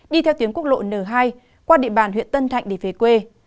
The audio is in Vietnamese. đi theo tuyến quốc lộ n hai qua địa bàn huyện tân thạnh để về quê